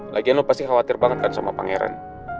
lagian lo pasti khawatir banget kan sama pangeran